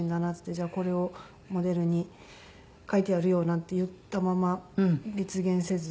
「じゃあこれをモデルに描いてやるよ」なんて言ったまま実現せず。